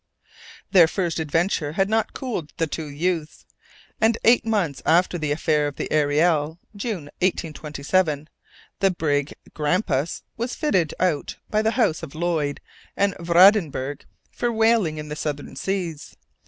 Their first adventure had not cooled the two youths, and eight months after the affair of the Ariel June, 1827 the brig Grampus was fitted out by the house of Lloyd and Vredenburg for whaling in the southern seas.